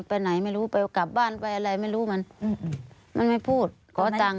ไปไหนไม่รู้ไปเอากลับบ้านไปอะไรไม่รู้มันมันไม่พูดขอตังค์